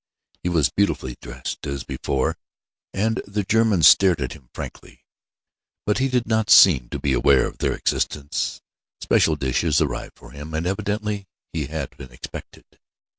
He was beautifully dressed, as before, and the Germans stared at him frankly, but he did not seem to be aware of their existence. Special dishes arrived for him, and evidently he had been expected.